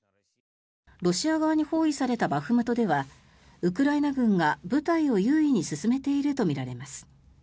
ロシア側に包囲されたバフムトでは、ウクライナ軍が部隊を優位に進めているとみられます。